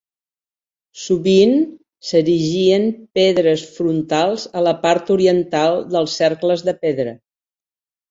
Sovint, s'erigien pedres frontals a la part oriental dels cercles de pedra.